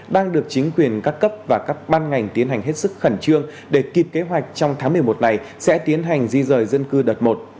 đang được chính quyền các cấp và các ban ngành tiến hành hết sức khẩn trương để kịp kế hoạch trong tháng một mươi một này sẽ tiến hành di rời dân cư đợt một